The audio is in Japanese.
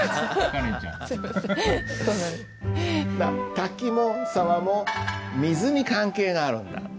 「滝」も「沢」も水に関係があるんだって。